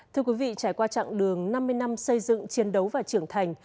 thưa quý vị trải qua chặng đường năm mươi năm xây dựng chiến đấu và trưởng thành